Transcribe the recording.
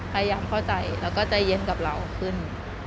พยายามเข้าใจแล้วก็ใจเย็นกับเราขึ้น